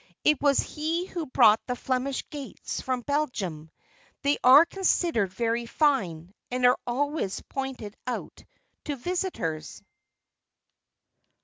It was he who brought the Flemish gates from Belgium; they are considered very fine, and are always pointed out to visitors."